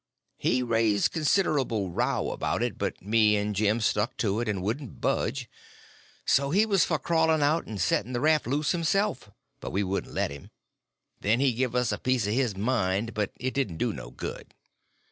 He raised considerable row about it, but me and Jim stuck to it and wouldn't budge; so he was for crawling out and setting the raft loose himself; but we wouldn't let him. Then he give us a piece of his mind, but it didn't do no good.